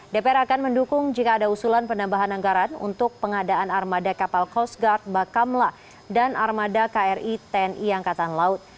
dpr akan mendukung jika ada usulan penambahan anggaran untuk pengadaan armada kapal coast guard bakamla dan armada kri tni angkatan laut